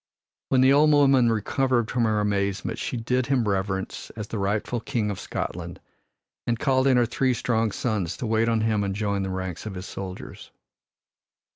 When the old woman recovered from her amazement she did him reverence as the rightful King of Scotland and called in her three strong sons to wait on him and join the ranks of his soldiers.